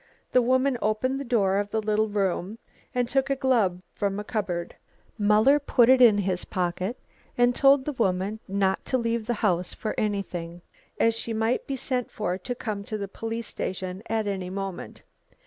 The woman opened the door of the little room, and took a glove from a cupboard. Muller put it in his pocket and told the woman not to leave the house for anything, as she might be sent for to come to the police station at any moment.